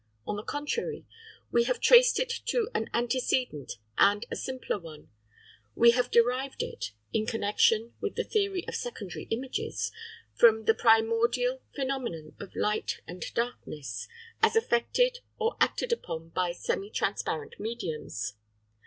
On the contrary, we have traced it to an antecedent and a simpler one; we have derived it, in connexion with the theory of secondary images, from the primordial phenomenon of light and darkness, as affected or acted upon by semi transparent mediums.